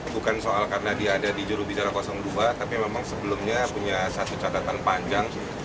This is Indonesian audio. bukan soal karena dia ada di jurubicara dua tapi memang sebelumnya punya satu catatan panjang